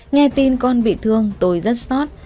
nghe tin con bị thương tôi rất xót